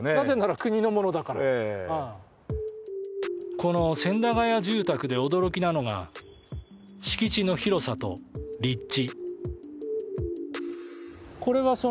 この千駄ヶ谷住宅で驚きなのが敷地の広さと立地。